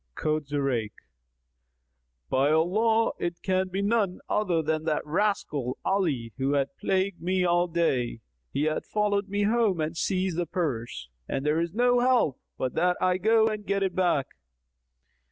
Quoth Zurayk, "By Allah it can be none other than rascal Ali who hath plagued me all day! He hath followed me home and seized the purse; and there is no help but that I go and get it back."